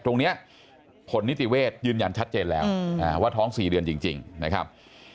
ตรงนี้ผลนิติเวทยืนยันชัดเจนแล้วว่าท้อง๔เดือนจริงนะครับ